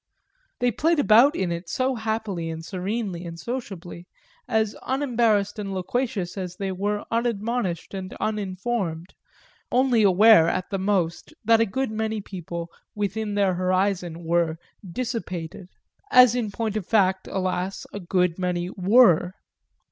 They played about in it so happily and serenely and sociably, as unembarrassed and loquacious as they were unadmonished and uninformed only aware at the most that a good many people within their horizon were "dissipated"; as in point of fact, alas, a good many were.